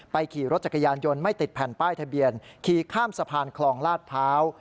ขี่รถจักรยานยนต์ไม่ติดแผ่นป้ายทะเบียนขี่ข้ามสะพานคลองลาดพร้าว